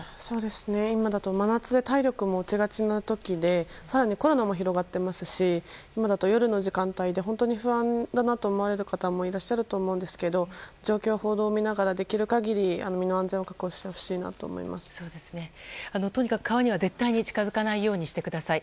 今だと真夏で体力も落ちがちな時で更にコロナも広がっていますし今だと夜の時間帯で不安だなと思われる方もいらっしゃると思うんですが状況、報道を見ながらできる限り身の安全をとにかく川には絶対に近づかないようにしてください。